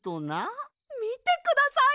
みてください！